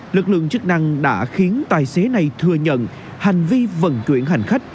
lực lượng chức năng đã khiến tài xế này thừa nhận hành vi vận chuyển hành khách